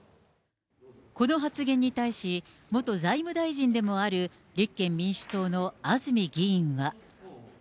この発言に対し、元財務大臣でもある立憲民主党の安住議員は。